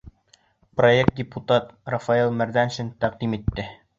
Проектты депутат Рафаэль Мәрҙәншин тәҡдим итте.